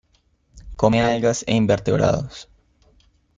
Come algas e invertebrados.